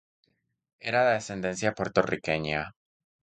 Era de ascendencia puertorriqueña.